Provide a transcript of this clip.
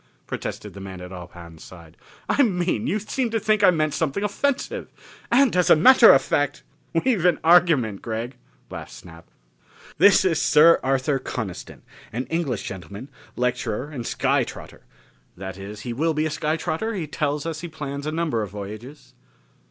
protested the man at Ob Hahn's side. "I mean, you seem to think I meant something offensive. And as a matter of fact " "We've an argument, Gregg," laughed Snap. "This is Sir Arthur Coniston, an English gentleman, lecturer and sky trotter that is, he will be a sky trotter; he tells us he plans a number of voyages."